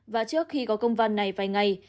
và trước khi có công văn này vài ngày